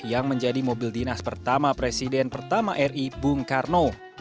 yang menjadi mobil dinas pertama presiden pertama ri bung karno